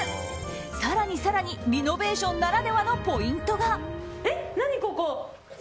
更に更にリノベーションならではのポイントが。